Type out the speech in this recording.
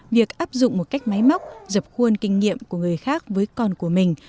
việc áp dụng một cách máy móc dập khuôn kinh nghiệm của người khác với con của mình